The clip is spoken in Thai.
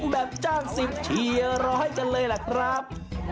แบบจ้างสิบเชียร์รอให้กันเลยแหละครับ